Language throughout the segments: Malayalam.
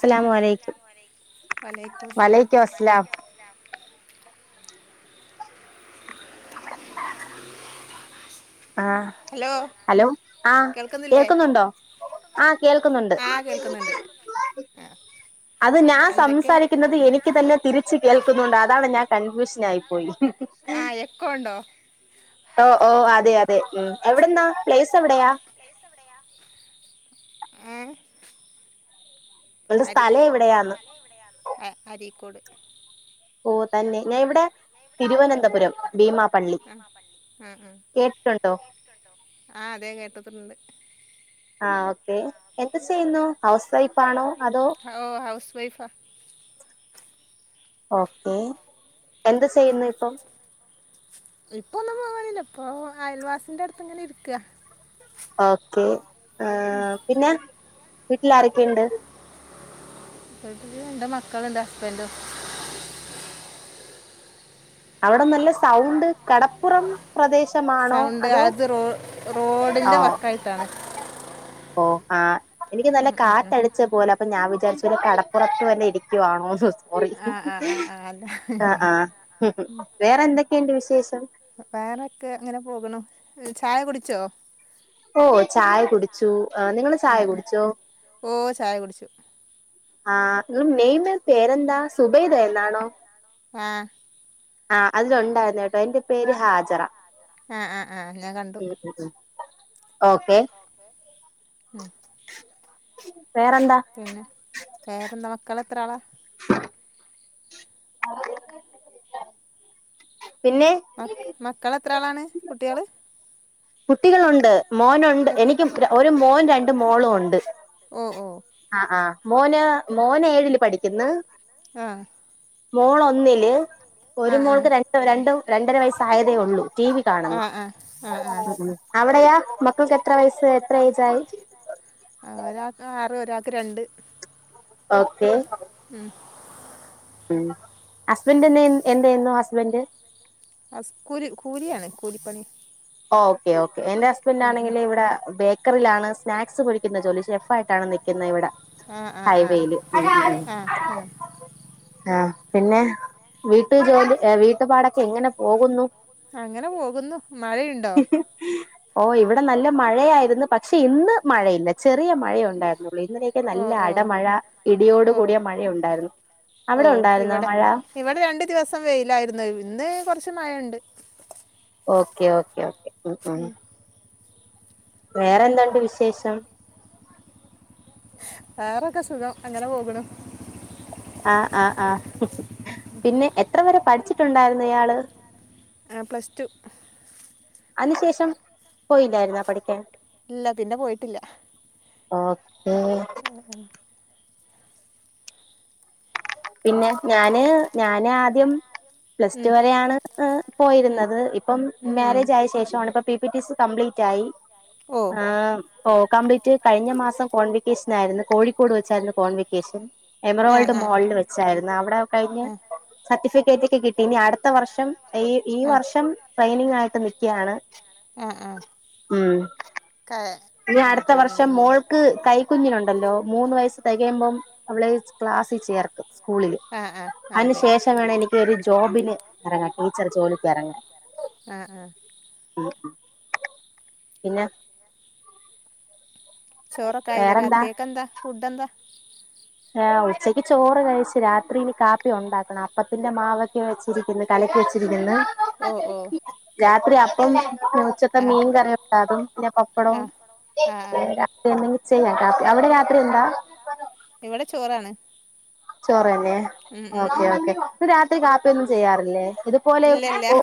ഹലോ അസ്സലാമും അലൈകും വഅലൈകും അസ്സലാം [unintelligible] ആ ഹലോ ആ കേൾക്കുന്നുണ്ടോ ആ കേൾക്കുന്നുണ്ട് ണ്ട് ആ അത് ഞാൻ സംസാരിക്കുന്നത് എനിക്ക് തന്നെ തിരിച്ച് കേൾക്കുന്നുണ്ട് അതാണ് ഞാൻ കൺഫ്യൂഷൻ ന്ന് ആയി പോയി ആ എക്കോണ്ടൊ ഓ ഓ അതെ അതെ ഉം എവിടെന്നാ പ്ലേസ് എവിടെയാ ഏ നിങ്ങള്ടെ സ്ഥലം എവിടെയാന്ന് ഓ തന്നെ ഞാ ഇവിടെ തിരുവനന്തപുരം ഭീമാ പള്ളി കേട്ടിട്ടുണ്ടോ ആ എന്ത് ചെയ്യുന്നു ഹൌസ് വൈഫ് ആണോ അതോ വൈഫാ ഓക്കെ എന്ത്‌ ചെയ്യുന്നു ഇപ്പൊ ഇപ്പൊ ഒന്നും പോവാനില്ല ഇപ്പൊ അയൽവാസിന്റെ അടുത്ത് ഇങ്ങനെ ഇരിക്കാ ഓക്കെ ആ പിന്നെ വീട്ടിൽ ആരൊക്കെയുണ്ട് ഇവിടെ രണ്ട് മക്കളുണ്ട് ഹസ്ബൻഡും അവിടെ നല്ല സൗണ്ട് കടപ്പുറം പ്രദേശം സൗണ്ട് അത് റോ റോഡിന്റെ വർക്കായിട്ടാണ് ഓ ആ എനിക്ക് നല്ല കാറ്റടിച്ച പോലെ അപ്പൊ ഞാൻ വിചാരിച്ചത് കടപ്പുറത്ത് വല്ലോം ഇരിക്കുവാണോന്ന് ആഹ ആ ആ ആ അല്ല വേറൊക്കെ അങ്ങനെ പോകുണു ചായ കുടിച്ചോ ഓ ചായ കുടിച്ചു ആ നിങ്ങള് ചായ കുടിച്ചോ ആ നെയ്മ് പേരെന്താ സുബൈതാ എന്നാണോ ആ ആ അതിലുണ്ടായിര്ന്ന് കേട്ടോ എന്റെ പേര് ഹാജറ ആ ആഹ് ആഹ് ഞാൻ കണ്ടു ഓക്കെ ഉംഹ് പിന്നെ വേറെന്താ മക്കളെ എത്രാളാ മ മക്കൾ എത്ര ആളാണ് കുട്ടികള് കുട്ടികളൊണ്ട് മോനുണ്ട് എനിക്കും ഒരു മോൻ രണ്ട് മോളും ഒണ്ട് ഓഹ് ഓ ആഹ് ആ മോന് മോന് ഏഴില് പഠിക്ക ക്ന്ന് ആഹ് മോളൊന്നില് ഒരു മോൾക്ക് രണ്ടോ രണ്ടോ രണ്ടര വയസ്സായതേ ഉള്ളൂ ടി വി കാണുന്നു അവിടെയാ മക്കൾക്ക് എത്ര വയസായി എത്ര ഏജ് ആയി? ഒരാൾക്ക് ആറ് ഒരാൾക്ക് രണ്ട് ഓക്കെ ഉം ഉം ഹസ്ബൻഡിന് എന്ത് യിന്നു ഹസ്ബൻഡ് ഹസ് കൂരി കൂലിയാണ് കൂലിപ്പണി ഓക്കെ ഓക്കേ എന്റെ ഹസ്ബൻഡ് ആണെങ്കിൽ ഇവിടെ ബേക് ബക്കറിലാണ് സ്നാക്സ് കുഴിക്കുന്ന ജോലി ഷെഫ് ആയിട്ടാണ് നിൽക്കുന്നത് ഇവിടെ ഹൈവേയില് ആഹ് പിന്നെ വീട്ട്ജോലി അങ്ങനെ പോകുന്നു മഴെ ഓ ഇവിടെ നല്ല മഴയായിരുന്നു പക്ഷേ ഇന്ന് മഴയില്ല ചെറിയ മഴയേ ഉണ്ടായിരുന്നു ഉള്ളെ ഇന്നലെയൊക്കെ നല്ല അടമഴ ഇടിയോട് കൂടിയ മഴയുണ്ടായിരുന്നു അവിടെ ഉണ്ടായിരുന്നോ മഴ ദിവസം വെയിലായിരുന്നു ഇന്ന് കൊറച്ച് മഴയ്ണ്ട് ഓക്കേ ഓക്കേ ഓക്കേ ഉം ഉം വേറെ എന്താണ്ട് വിശേഷം വേറൊക്കെ സുഖം അങ്ങനെ പോക്ണു ആഹ് ആഹ് ആഹ് പിന്നെ എത്ര വരെ പഠിച്ചിട്ടുണ്ടായിരുന്നു ഇയാള് ഏ പ്ലസ് ടു അയിന് ശേഷം പോയില്ലാര്ന്നോ പഠിക്കാൻ ഇല്ല പിന്നെ പോയിട്ടില്ല. ആഹ് ഏഏ പിന്നെ ഞാന് ഞാന് ആദ്യം പ്ലസ് ടു വരെയാണ് അ് പോയിരുന്നത്. ഇപ്പം മാരേജ് ആയ ശേഷാണ് ഇപ്പ പി പി ടി സ് കംപ്ലി റ്റായി ആഹ് ഓ കംപ്ലീറ്റ് കഴിഞ്ഞ മാസം കോൺവെക്കേഷൻ ആയിരുന്നു കോഴിക്കോട് വെച്ചായിരുന്നു കോൺവെക്കേഷൻ. എമറോൾഡ് മോശല് വെ ച്ചായ്‌ര്ന്ന് അവിടെ കഴിഞ്ഞ് സർട്ടിഫിക്കറ്റക്കെ കിട്ടി ഇനി അടത്ത വർഷം ഈ ഈ വർഷം ട്രെയിനിങ് ആയിട്ട് നിക്ക്യാണ്. ഉം. ക ഇനി അടുത്ത വർഷം മോൾക്ക് കൈകുഞ്ഞിനുണ്ടല്ലോ മൂന്ന് വയസ്സ് തെകയുമ്പം അവള് ക്ലാസ്സീ ചേർക്കും സ്കൂളില്. അയിനു ശേഷം എങ്ങാണ് എനിക്ക് ഒരു ജോബിന് എറങ്ങാ ടീച്ചർ ജോലിക്ക് എറങ്ങാ പിന്നെ ചോറൊക്കായി ലേ രാത്രിയേക്കെന്താ? ഫുഡന്താ? ചോറ് കഴിച്ച്. രാത്രിനി, കാപ്പി ഉണ്ടാക്കണം. അപ്പത്തിന്റെ മാവൊക്കെ വെച്ചിരിക്കുന്ന് കലക്കി വച്ചിരി ന്ന് രാത്രി അപ്പം മൂച്ചത്തെ മീൻ. [unintelligible] രാത്രി അപ്പം ഉച്ചത്തെ മീൻ കറിയുണ്ടതും പിന്നെ പപ്പടവും പിന്നെ രാത്രി എന്തെങ്കിലും ചെയ്യാം. കാപ്പി അവിടെ രാത്രി എന്താ? ചോറാണ് ചോറന്നെ. Okay okay. രാത്രി കാപ്പിയൊന്നും ചെയ്യാറില്ലേ? ഇത്പോലെ ഉ ഉ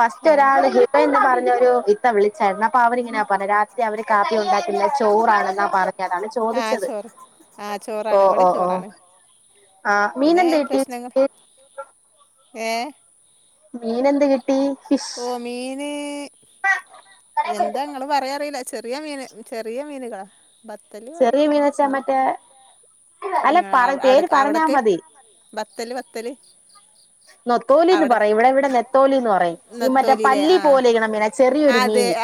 ഫസ്റ്റ് ഒരാള് ഹിബെ ന്ന് പറഞ്ഞൊരു ഇത്ത വിളിച്ചായിരുന്നു. അപ്പൊ അവരിങ്ങനെയാ പറഞ്ഞ രാത്രി അവര് കാപ്പി ഉണ്ടാക്കുന്ന ചോറാണെന്നാ പറഞ്ഞത്. അതാണ് ചോദിച്ചത് ഓ ഓ ഓ ആ മീൻ എന്ത് കിട്ടി? ഏ ഓ മീന് എന്താ ഇങ്ങള് പറയാ അറില ചെറിയ മീൻ ചെറിയ മീനുകളാ ചെറിയ മീനച്ചാ മറ്റേ അല്ല പറ പേര് പറഞ്ഞാ മതി ത്തല് ബത്തല് നൊത്തോലി എന്ന് പറയും. ഇവിടെ ഇവിടെ നെത്തോലി എന്ന് പറയും ഈ മറ്റേ പല്ലി പോലെ ഇരിക്ക്ണമീനാ ചെറിയൊരു മീന്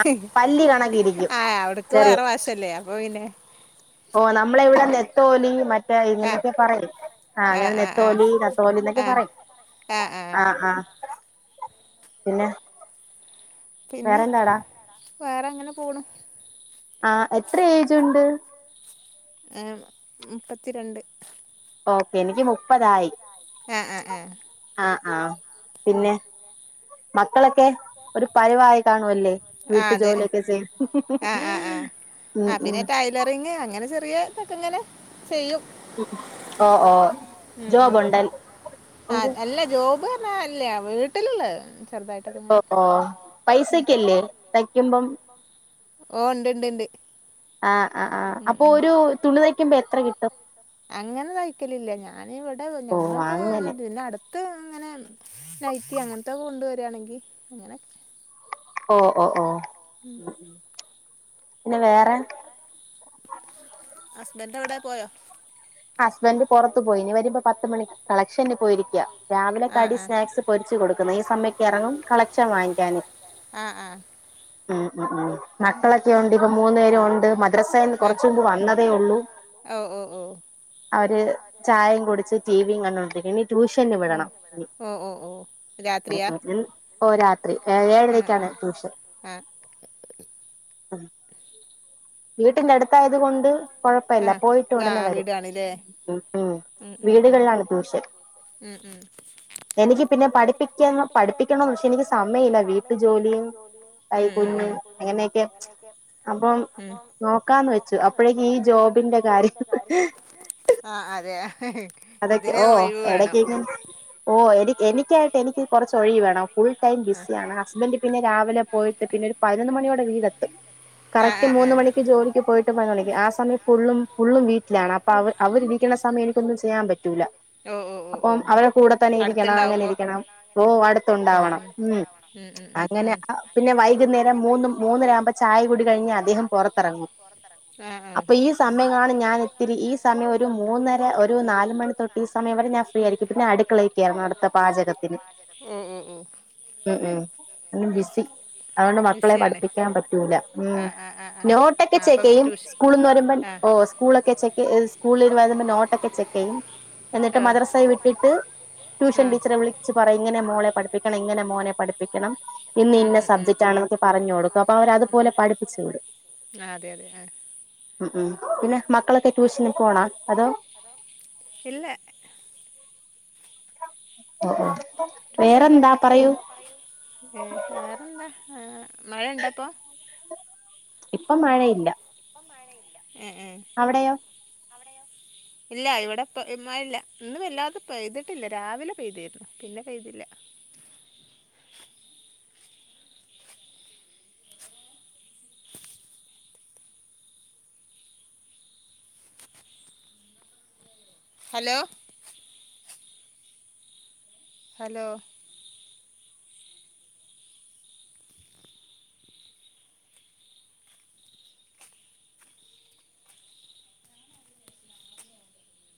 ആ പല്ലി കണക്കി ഇരിക്കും ചെറിയ ഓ നമ്മളെ ഇവിടെ നെത്തോലി മ തേ ഇങ്ങനെയൊക്കെ പറയുന്നേ ആ അങ്ങനെ നെത്തോലി നത്തോലി എന്നൊക്കെ പറയും ആ ആ പിന്നെ പിന്നെ വേറെങ്ങനെ പോണു ആ എത്ര ഏജുണ്ട് ഏഹ് മുപ്പത്തി രണ്ട് ഓക്കെ എനിക്ക് മുപ്പതായി ആ ആമ് പിന്നെ മക്കളൊക്കെ ഒരു പരുവായി കാണുവല്ലേ വീട്ടു ജോലിയൊക്കെ ചെയ്ത് ഉം ഉം ഇതൊക്കെ ഇങ്ങനെ ചെയ്യും ആ ആ ഉം ഉം ആ അല്ല ജോബ് ആ അല്ല വീട്ടിലൊള്ള് ഓ ഓ പൈസക്കല്ലേ തയ്ക്കുമ്പം ഓ ഇണ്ട് ഇണ്ട്ണ്ട് അങ്ങനെ തയ്ക്കലില്ല ഞാന് ഇവിടെ ഞങ്ങൾ ത് പിന്നെ അടു ത്ത് അങ്ങനെ നൈറ്റി അങ്ങനത്തൊക്കെ കൊണ്ട് വരാണെങ്കിൽ അങ്ങനക്കെ ഓ ഓ ഓ പിന്നെ വേറെ ഹസ്ബൻറ്റ് എവിടെ പോയോ ഹസ്ബൻറ്റ് പൊറത്തു പോയി ഇനി വരുമ്പോ പത്ത് മണി ക്ക് കളക്ഷന്പോയിരിക്ക രാവിലെ കടി സ്നാക്സ് പൊരിച്ച് കൊടുക്കണം ഈ സമയത്ത് ഇറങ്ങും കളക്ഷൻ വാങ്ങിക്കാന് മക്കളൊക്കെ ഒണ്ട് ഇപ്പ മൂന്നുപേര് ഒണ്ട് മദ്രസന്ന് കൊറച്ച് മുമ്പ് വന്ന ഓ ഓ ഓ അവര് ചായയും കുടിച്ച് ടിവിയും കണ്ടോണ്ടിരിക്ക ഇനി ട്യൂഷന് വിടണം ഇനി ഓ രാത്രി എഴേ ഏഴരക്കാണ് ട്യൂഷൻ ഉം വീട്ടിന്റെ അടുത്തായത് കൊണ്ട് കൊഴപ്പല്ല പോയിട്ട് ഒടനെ വരും ആണില്ലേ മ്മ് മ്മ് ഉം ഉം ആഹ് അ തെയാ അതൊക്കെ ഓ എടക്കെക്കെ ഓ എനിക്ക് എനിക്കായിട്ട് എനിക്ക് കൊറച്ച് ഒഴിവ് വേണം ഫുൾ ടൈം ബിസിയാണ് ഹസ്ബൻറ്റ് പിന്നെ രാവിലെ പോയിട്ട് പിന്നെ ഒരു പതിനൊന്ന് മണിയോടെ വീടെ എത്തും കറക്റ്റ് മൂന്ന് മണിക്ക് ജോലിക്ക് പോയിട്ട് പതിനൊന്ന് മണിക്ക് ആ സമയം ഫുള്ളും ഫുള്ളും വീട്ടിലാണ് അപ്പൊ അവ അവരിക്ക്ണ സമയം എനിക്കൊന്നും ചെ പറ്റൂല അപ്പം അവരെ കൂടെ തന്നെ ഇരിക്കണം അങ്ങനെ ഇരിക്കണം ഓ അടുത്തോണ്ടാവണം ഉം അങ്ങനെ പിന്നെ വൈകുന്നേരം മൂന്ന് മൂന്നര ആകുമ്പോ ചായ കൂടി കഴിഞ്ഞ് അദ്ദേഹം പൊറത്തെറങ്ങും അപ്പൊ ഈ സമയം ആണ് ഞാൻ ഇത്തിരി ഈ സമയം ഒരു മു [unintelligible] നല് മണി തൊട്ട് ഈ സമയം വരെ ഞാൻ ഫ്രീ ആയിരിക്കും പിന്നെ അടുക്കളെ കെ റണടത്തെ പാചകത്തിന് ഉ ഉ ബിസി അതുകൊണ്ട് മക്കളെ പഠിപ്പിക്കാൻ പറ്റൂല്ല ഉ നോട്ടൊക്കെ ചെക്ക് ചെയ്യും സ്കൂള് ന്ന് വരുമ്പ ഓ സ്കൂളൊക്കെ സ്കൂള [unintelligible] ചെക്ക് ചെയ്യും എന്നിട്ട് മദ്രസെ വിട്ടിട്ട് ട്യൂഷൻ ടീച്ചറെ വിളിച്ച് പറ ഇങ്ങനെ മോളെ പഠിപ്പിക്കണം ഇങ്ങനെ മോനെ പഠിപ്പിക്കണം ഇന്ന് ഇന്ന സബ്ജക്റ്റ് ആണെന്നക്കെ പറഞ്ഞു കൊടുക്കും അപ്പൊ അവർതുപോലെ പഠിപ്പിച്ചുടും ഉ ഉ പിന്നെ മക്കളൊക്കെ ട്യൂഷന് പോണ അതോ ഇല്ല വേറെന്താ പറയൂ ആ മഴ ഉണ്ടപ്പൊ ഇപ്പൊ മഴയില്ല അവിടെയോ ഇല്ല ഇവിടെപ്പ മഴ ഇല്ല ഇന്ന് വല്ലാതെ പെയ്തിട്ടില്ല രാവിലെ പെയ്തിരുന്നു പിന്നെ പെയ്തില്ല ഹലോ ഹലോ